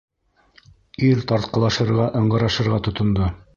Ир тартҡылашырға, ыңғырашырға тотондо.